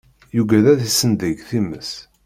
Yugad ad isendeg times.